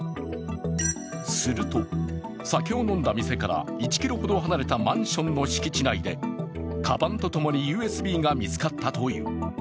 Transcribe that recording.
すると、酒を飲んだ店から１ｋｍほど離れたマンションの敷地内で、かばんとともにＵＳＢが見つかったという。